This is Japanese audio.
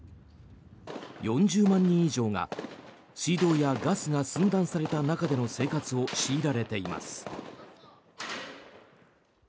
４０万人以上が水道やガスが寸断された中での生活を強いられています。